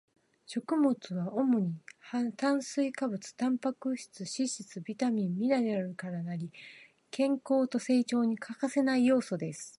食物は主に炭水化物、タンパク質、脂肪、ビタミン、ミネラルから成り、健康と成長に欠かせない要素です